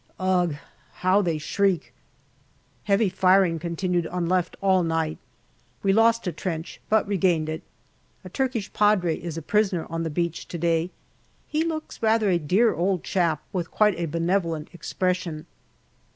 Ugh ! how they shriek. Heavy firing continued on left all night. We lost a trench, but regained it. A Turkish Padre is a prisoner on the beach to day. He looks rather a dear old chap, with quite a benevolent expression.